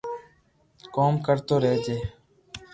ڪوم ڪرتو رھجي